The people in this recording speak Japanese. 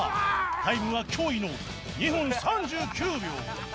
タイムは驚異の２分３９秒！